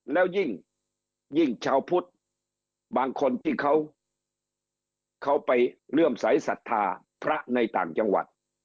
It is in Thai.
แล้วยิ่งชาวพุทธบางคนที่เขาไปเลื่อมสายศรัทธาพระในต่างจังหวัด